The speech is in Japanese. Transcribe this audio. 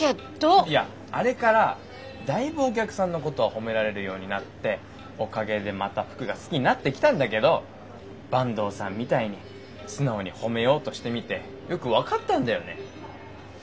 いやあれからだいぶお客さんのこと褒められるようになっておかげでまた服が好きになってきたんだけど坂東さんみたいに素直に褒めようとしてみてよく分かったんだよね。